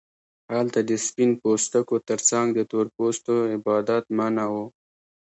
هلته د سپین پوستو ترڅنګ د تور پوستو عبادت منع و.